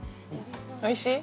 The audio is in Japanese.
おいしい？